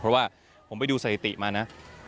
เพราะว่าผมไปดูสถิติมานะ